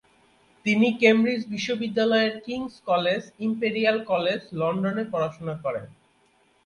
তিনি কেমব্রিজ বিশ্ববিদ্যালয়ের King's College, Imperial College লন্ডনে পড়াশোনা করেন।